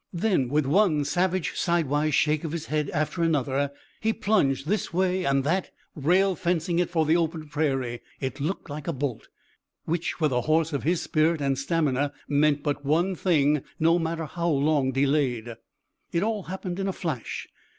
Then with one savage sidewise shake of his head after another he plunged this way and that, rail fencing it for the open prairie. It looked like a bolt, which with a horse of his spirit and stamina meant but one thing, no matter how long delayed. It all happened in a flash.